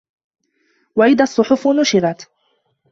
وَإِذَا الصُّحُفُ نُشِرَت